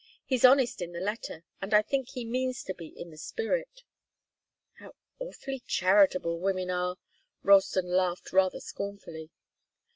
He's honest in the letter, and I think he means to be in the spirit." "How awfully charitable women are!" Ralston laughed rather scornfully.